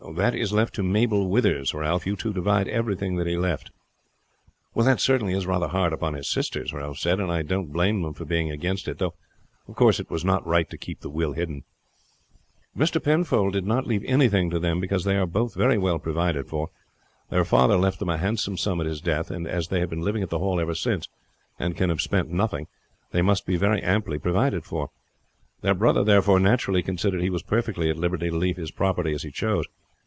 "That is left to Mabel Withers, Ralph. You two divide everything that he left." "Well, that certainly is rather hard upon his sisters," Ralph said; "and I don't blame them for being against it. Though, of course, it was not right to keep the will hidden." "Mr. Penfold did not leave anything to them, because they are both very well provided for. Their father left them a handsome sum at his death; and as they have been living at the Hall ever since, and can have spent nothing, they must be very amply provided for. Their brother, therefore, naturally considered he was perfectly at liberty to leave his property as he chose.